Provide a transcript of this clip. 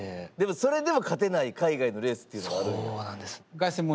でもそれでも勝てない海外のレースっていうのがあるんや。